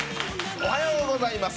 おはようございます。